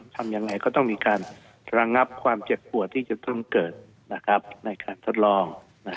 ทำยังไงก็ต้องมีการระงับความเจ็บปวดที่จะต้องเกิดในการทดลอง